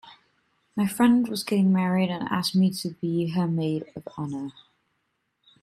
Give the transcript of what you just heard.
My friend was getting married and asked me to be her maid of honor.